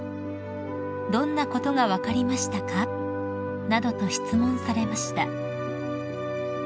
「どんなことが分かりましたか？」などと質問されました］